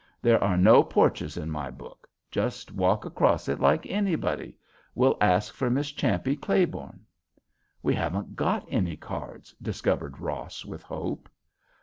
There are no porches in my book. Just walk across it like anybody. We'll ask for Miss Champe Claiborne." "We haven't got any cards," discovered Ross, with hope.